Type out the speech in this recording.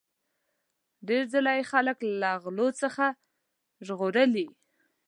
ډیر ځله یې خلک له غلو څخه ژغورلي.